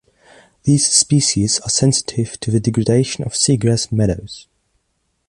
These species are sensitive to the degradation of seagrass meadows.